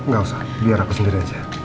gak usah biar aku sendiri aja